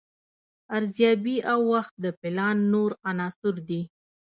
ارزیابي او وخت د پلان نور عناصر دي.